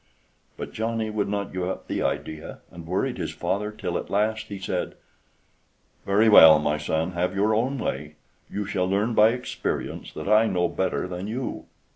But Johnny would not give up the idea, and worried his father, till at last he said: "Very well, my son, have your own way. You shall learn by experience that I know better than you."